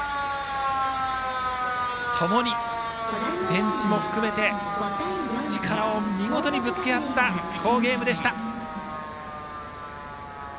ともにベンチも含めて力を見事にぶつけ合った好ゲームでした。